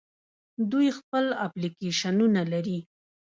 دوی خپل اپلیکیشنونه لري.